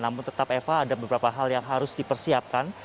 namun tetap eva ada beberapa hal yang harus dipersiapkan